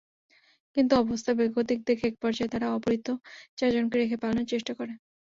কিন্তু অবস্থা বেগতিক দেখে একপর্যায়ে তারা অপহৃত চারজনকে রেখে পালানোর চেষ্টা করে।